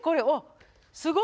すごい。